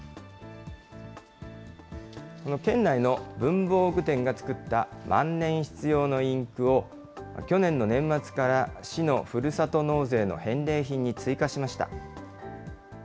この県内の文房具店が作った万年筆用のインクを、去年の年末から市のふるさと納税の返礼品に追加しました。